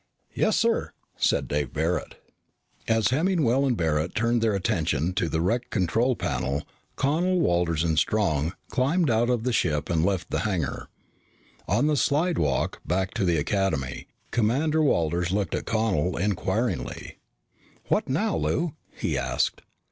"Yes, sir," said Dave Barret. As Hemmingwell and Barret turned their attention to the wrecked control panel, Connel, Walters, and Strong climbed out of the ship and left the hangar. On the slidewalk, headed back to the Academy, Commander Walters looked at Connel inquiringly. "What now, Lou?" he asked.